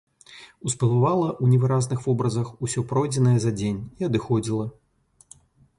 Усплывала ў невыразных вобразах усё пройдзенае за дзень і адыходзіла.